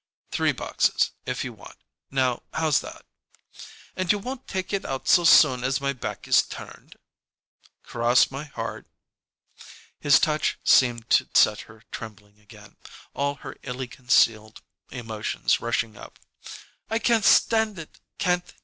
"Three boxes, if you want. Now, how's that?" "And you won't take it out so soon as my back is turned?" "Cross my heart." His touch seemed to set her trembling again, all her illy concealed emotions rushing up. "I can't stand it! Can't!